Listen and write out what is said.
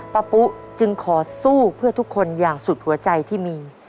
ปุ๊จึงขอสู้เพื่อทุกคนอย่างสุดหัวใจที่มี